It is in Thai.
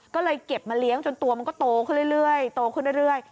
ก็เลยเก็บมาเลี้ยงจนตัวมันก็โตขึ้นเรื่อย